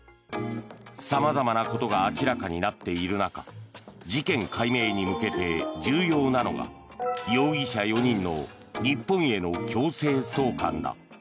様々なことが明らかになっている中事件解明に向けて重要なのが容疑者４人の日本への強制送還だ。